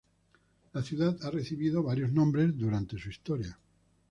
La ciudad ha recibido varios nombres durante su historia.